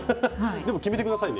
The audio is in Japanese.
でも決めて下さいね